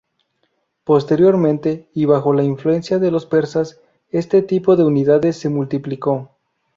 Posteriormente y bajo influencia de los persas, este tipo de unidades se multiplicó.